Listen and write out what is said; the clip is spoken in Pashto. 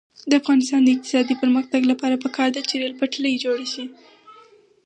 د افغانستان د اقتصادي پرمختګ لپاره پکار ده چې ریل پټلۍ جوړه شي.